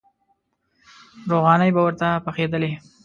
روغانۍ به ورته پخېدلې.